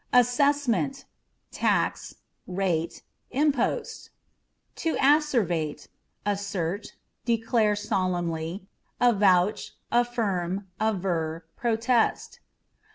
Assessment â€" tax, rate, impost. To Asseverate â€" assert, declare solemnly, avouch, affirm, aver, protest.